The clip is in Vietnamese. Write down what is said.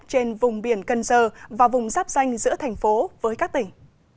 trên vùng biển cân sơ và vùng giáp danh giữa thành phố với các tỉnh